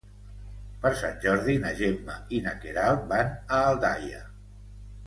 Per Sant Jordi na Gemma i na Queralt van a Aldaia.